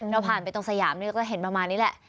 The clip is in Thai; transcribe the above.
เราผ่านไปตรงสยามนี่ก็เห็นประมาณนี้แหละ